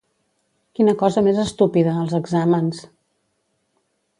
Quina cosa més estúpida, els exàmens!